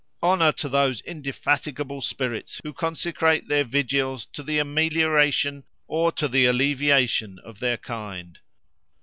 Honour to those indefatigable spirits who consecrate their vigils to the amelioration or to the alleviation of their kind!